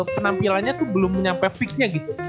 penampilannya tuh belum sampai fixnya gitu